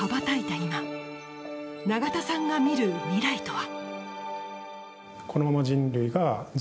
今永田さんが見る未来とは。